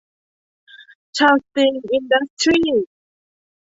เชาว์ สตีล อินดัสทรี้